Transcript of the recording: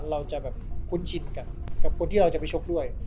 เราจะแบบคุ้นชินกันกับคนที่เราจะไปชกด้วย